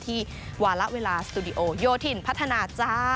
วาระเวลาสตูดิโอโยธินพัฒนาจ้า